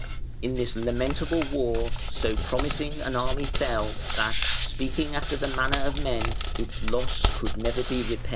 In this lamentable war so promising an army fell, that, speaking after the manner of men, its loss could never be repaired".